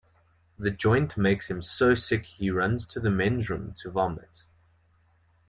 The joint makes him so sick he runs to the men's room to vomit.